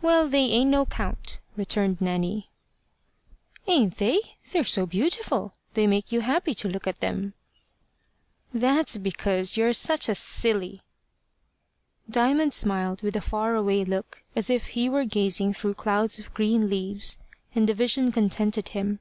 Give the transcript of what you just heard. "Well, they ain't no count," returned Nanny. "Ain't they? They're so beautiful, they make you happy to look at them." "That's because you're such a silly." Diamond smiled with a far away look, as if he were gazing through clouds of green leaves and the vision contented him.